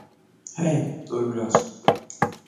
Hey, dur biraz.